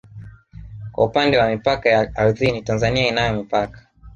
Kwa upande wa mipaka ya ardhini Tanzania inayo mipaka